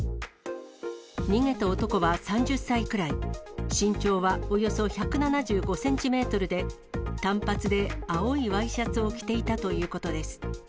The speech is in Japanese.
逃げた男は３０歳くらい、身長はおよそ１７５センチメートルで、短髪で青いワイシャツを着ていたということです。